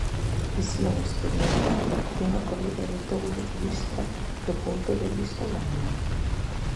Visión experimental dunha corrida de touros vista do punto de vista do animal.